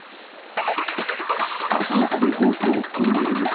アパートで強盗、逃げる男。